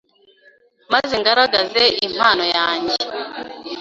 maze ngaragaze impano yange